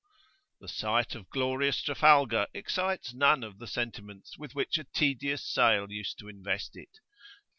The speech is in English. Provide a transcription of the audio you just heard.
The sight of glorious Trafalgar[FN#7]| excites none of the sentiments with which a tedious sail used to invest it.